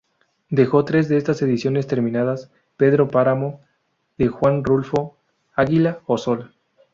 Dejó tres de estas ediciones terminadas: ""Pedro Páramo"" de Juan Rulfo, ""¿Águila o Sol?